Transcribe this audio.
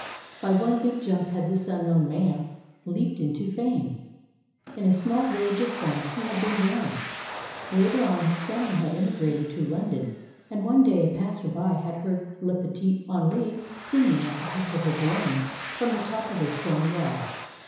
By one big jump had this unknown man leaped into fame. In a small village of France he had been born. Later on his family had emigrated to London and one day a passerby had heard le petit Henri singing at the pitch of his lungs from the top of a stone wall.